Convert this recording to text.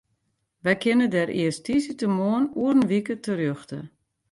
Wy kinne dêr earst tiisdeitemoarn oer in wike terjochte.